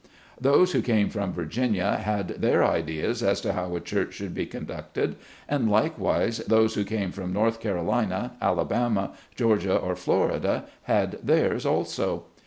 Those who came from Virginia had their ideas as to how a church should be conducted, and likewise those who came from North Carolina, Alabama, Georgia or Florida, had theirs also.